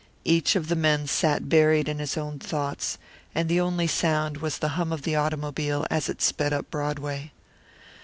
Each of the men sat buried in his own thoughts, and the only sound was the hum of the automobile as it sped up Broadway.